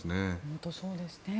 本当にそうですね。